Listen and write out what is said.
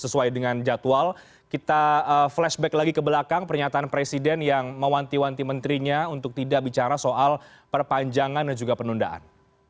sesuai dengan jadwal kita flashback lagi ke belakang pernyataan presiden yang mewanti wanti menterinya untuk tidak bicara soal perpanjangan dan juga penundaan